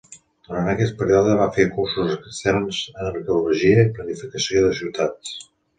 Durant aquest període, va fer cursos externs en Arqueologia i Planificació de ciutats.